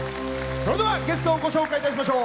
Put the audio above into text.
それではゲストをご紹介いたしましょう。